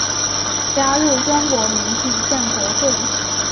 加入中国民主建国会。